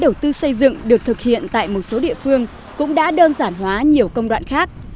đầu tư xây dựng được thực hiện tại một số địa phương cũng đã đơn giản hóa nhiều công đoạn khác